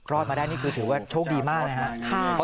รอดมาได้นี่คือถือว่าโชคดีมากนะครับ